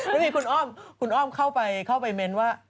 แล้วคุณอ้อมเข้าไปเม้นว่า